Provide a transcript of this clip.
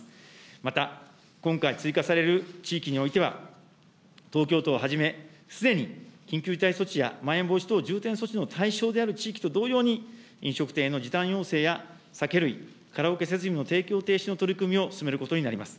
また、今回追加される地域においては、東京都をはじめ、すでに緊急事態措置や、まん延防止等重点措置の対象である地域と同様に、飲食店への時短要請や酒類、カラオケ設備の提供停止の取り組みを進めることになります。